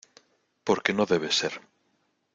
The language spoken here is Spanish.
porque no debe ser.